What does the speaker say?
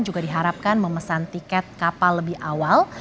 juga diharapkan memesan tiket kapal lebih awal